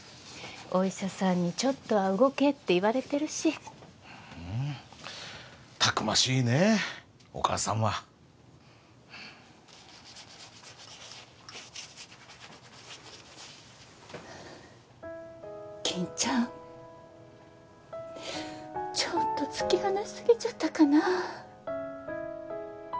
お医者さんにちょっとは動けって言われてるしふんたくましいねお母さんは金ちゃんちょっと突き放しすぎちゃったかな